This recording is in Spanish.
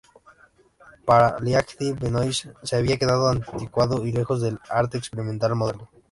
Para Diaghilev Benois se había quedado anticuado y lejos del arte experimental moderno.